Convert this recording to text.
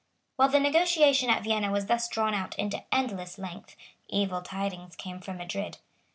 While the negotiation at Vienna was thus drawn out into endless length, evil tidings came from Madrid.